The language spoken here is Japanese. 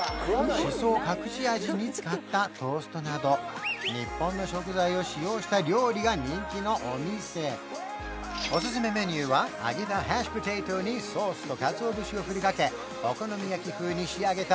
シソを隠し味に使ったトーストなど日本の食材を使用した料理が人気のお店おすすめメニューは揚げたハッシュポテトにソースとかつお節をふりかけお好み焼き風に仕上げた